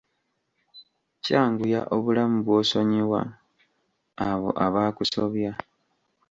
Kyanguya obulamu bw'osonyiwa abo abaakusobya.